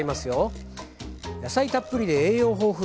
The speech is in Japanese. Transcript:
野菜たっぷりで栄養豊富。